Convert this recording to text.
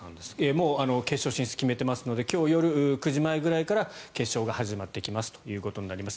もう決勝進出を決めていますので今日夜９時前ぐらいから決勝が始まっていきますということになります。